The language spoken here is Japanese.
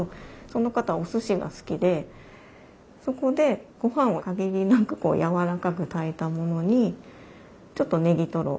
その方おすしが好きでそこでごはんを限りなくやわらかく炊いたものにちょっとネギトロ